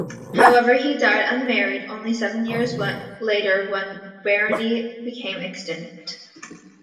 However, he died unmarried only seven years later when the barony became extinct.